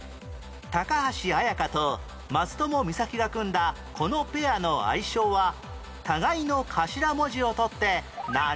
橋礼華と松友美佐紀が組んだこのペアの愛称は互いの頭文字を取って何ペア？